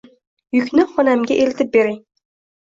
Yukni xonamga eltib bering.